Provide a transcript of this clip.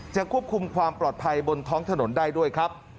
ควบคุมความปลอดภัยบนท้องถนนได้ด้วยครับ